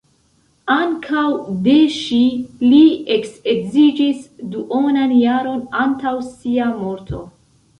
Ankaŭ de ŝi li eksedziĝis duonan jaron antaŭ sia morto.